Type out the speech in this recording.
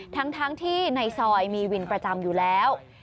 ทั้งที่ในซอยมีวินประจำอยู่แล้ว